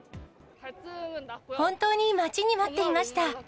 本当に待ちに待っていました。